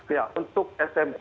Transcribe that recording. ya untuk smk